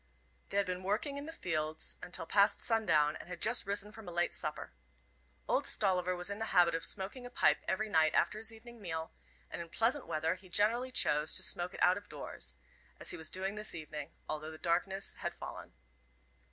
They had been working in the fields until past sundown, and had just risen from a late supper. Old Stolliver was in the habit of smoking a pipe every night after his evening meal, and in pleasant weather he generally chose to smoke it out of doors, as he was doing this evening, although the darkness had fallen.